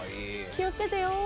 気をつけてよ。